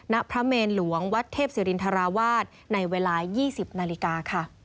ณพระเมนหลวงวัดเทพศิรินทราวาสในเวลา๒๐นาฬิกาค่ะ